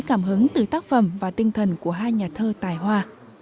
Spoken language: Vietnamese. cảm hứng từ tác phẩm và tinh thần của hai nhà thơ tài hoa